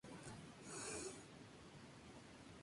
Anteriormente tuvo consideración de Camino Real.